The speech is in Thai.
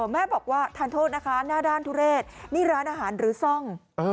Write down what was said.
แม่บอกว่าทานโทษนะคะหน้าด้านทุเรศนี่ร้านอาหารหรือซ่อง